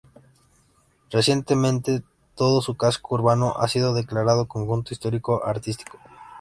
Recientemente todo su casco urbano ha sido declarado conjunto histórico-artístico.